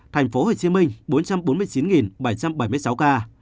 tp hcm bốn trăm bốn mươi chín bảy trăm bảy mươi sáu ca